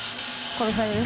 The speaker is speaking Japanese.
殺される。